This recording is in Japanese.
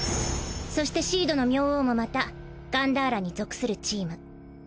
そしてシードの明王もまたガンダーラに属するチーム。